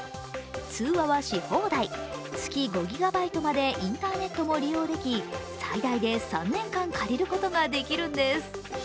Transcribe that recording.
通話はし放題、月５ギガバイトまでインターネットも利用でき最大で３年間借りることができるんです。